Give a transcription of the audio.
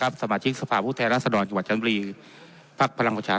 ครับสมาชิกสภาพวุทยาลักษณ์รัฐสดรรคจังหวัดจันทรีย์ภักดิ์พลังขวัญชา